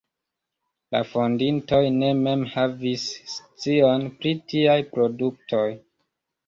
La fondintoj ne mem havis scion pri tiaj produktoj.